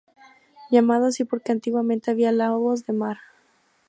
Llamado así porque antiguamente había lobos de mar.